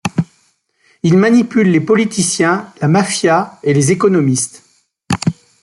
Ils manipulent les politiciens, la mafia et les économistes.